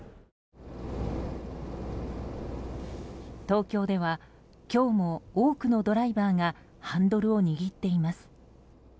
東京では今日も多くのドライバーがハンドルを握っています。